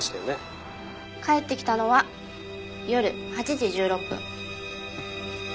帰ってきたのは夜８時１６分。